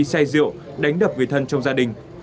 say rượu đánh đập người thân trong gia đình